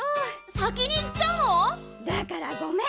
さきにいっちゃうの⁉だからごめん。